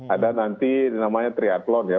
ada nanti namanya triathlon ya